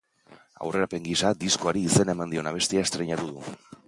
Aurrerapen gisa, diskoari izena eman dion abestia estreinatu du.